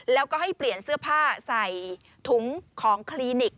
แล้วก็ให้เปลี่ยนเสื้อผ้าใส่ถุงของคลินิก